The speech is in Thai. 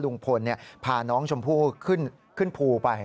ลุงพลพาน้องชมพู่ขึ้นภูไป